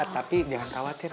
tapi jangan khawatir